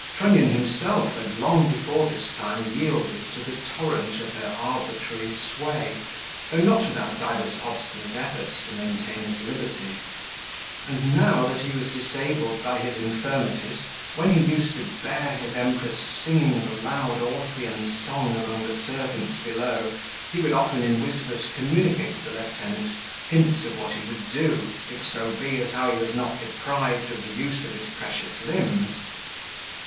Trunnion himself had long before this time yielded to the torrent of her arbitrary sway, though not without divers obstinate efforts to maintain his liberty; and now, that he was disabled by his infirmities, when he used to bear his empress singing the loud Orthyan song among the servants below, he would often in whispers communicate to the lieutenant hints of what he would do if so be as how he was not deprived of the use of his precious limbs.